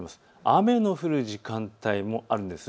雨の降る時間帯もあるんです。